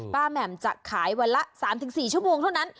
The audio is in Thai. แหม่มจะขายวันละ๓๔ชั่วโมงเท่านั้น